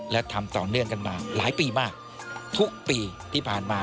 และทำต่อเนื่องกันมาหลายปีมากทุกปีที่ผ่านมา